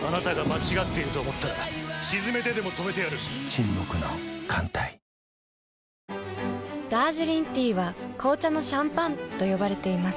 俺がこの役だったのにダージリンティーは紅茶のシャンパンと呼ばれています。